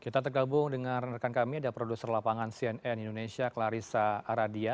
kita tergabung dengan rekan kami ada produser lapangan cnn indonesia clarissa aradia